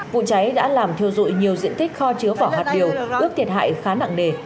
vụ cháy đã làm thiêu dụi nhiều diện tích kho chứa vỏ hạt điều ước thiệt hại khá nặng nề